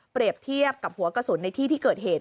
เทียบกับหัวกระสุนในที่ที่เกิดเหตุ